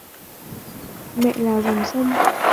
Mẹ là dòng sông